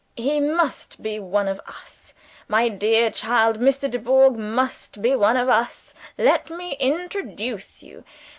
He must be one of us. My dear child, Mr. Dubourg must be one of us. Let me introduce you.